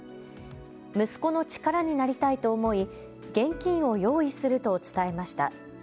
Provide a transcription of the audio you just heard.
息子の力になりたいと思い現金を用意すると伝えました。